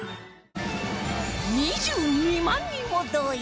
２２万人を動員